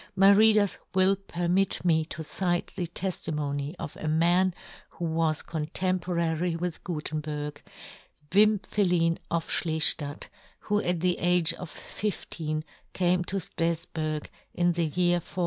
My readers will permit me to cite the teftimony of a man who was contemporary with Gutenberg, Wim phelin of Schleftadt, who at the age of fifteen came to Strafburg, in the year 1465.